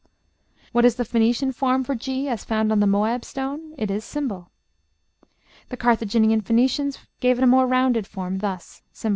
What is the Phoenician form for g as found on the Moab stone? It is ###. The Carthaginian Phoenicians gave it more of a rounded form, thus, ###